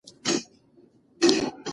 څوک دا اصلاح کوي؟